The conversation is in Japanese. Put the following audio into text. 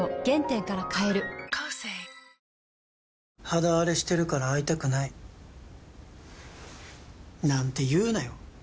肌あれしてるから会いたくないなんて言うなよ